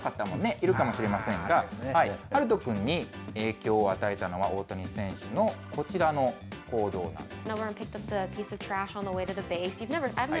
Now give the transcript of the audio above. ちょっとぴんときた方もいるかもしれませんが、遥斗君に影響を与えたのは大谷選手のこちらの行動なんです。